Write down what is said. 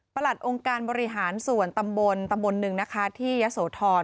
ประหลัดองค์การบริหารส่วนตำบลตำบลหนึ่งที่ยักษ์โสธร